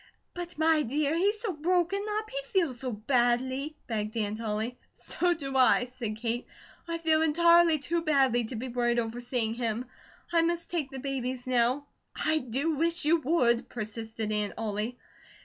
"But, my dear, he's so broken up; he feels so badly," begged Aunt Ollie. "So do I," said Kate. "I feel entirely too badly to be worried over seeing him. I must take the babies now." "I do wish you would!" persisted Aunt Ollie.